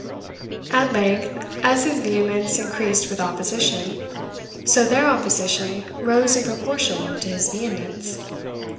At length, as his vehemence increased with opposition, so their opposition rose in proportion to his vehemence.